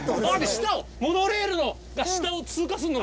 下をモノレールが下を通過するの？